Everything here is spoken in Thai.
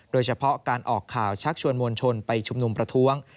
โดยเฉพาะการออกข่าวชักชวนมวลชนไปชุมนุมประท้วง